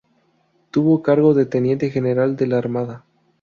Tuvo cargo de teniente general de la Armada.